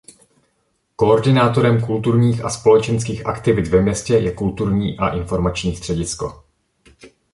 Koordinátorem kulturní a společenských aktivit ve městě je Kulturní a informační středisko.